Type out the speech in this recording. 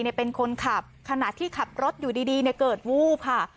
เป็นคนขับขณะที่ขับรถอยู่ดีเนี่ยเกิดวูบค่ะ